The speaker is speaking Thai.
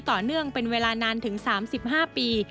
ต่อเนื่องเป็นเวลานานถึง๓๕ปี